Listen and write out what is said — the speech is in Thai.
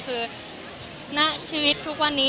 คือณชีวิตทุกวันนี้